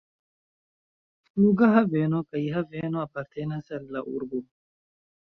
Flughaveno kaj haveno apartenas al la urbo.